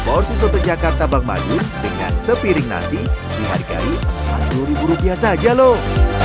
seporsi soto jakarta bang madun dengan sepiring nasi dihargai rp empat puluh saja loh